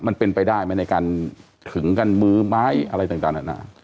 มันเป็นไปได้ไหมในการถึงกันมือไม้อะไรต่างนานา